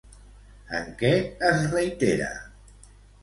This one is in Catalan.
En què es reitera?